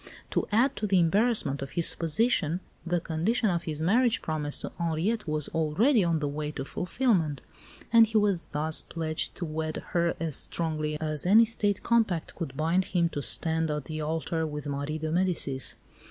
To add to the embarrassment of his position, the condition of his marriage promise to Henriette was already on the way to fulfilment; and he was thus pledged to wed her as strongly as any State compact could bind him to stand at the altar with Marie de Medicis.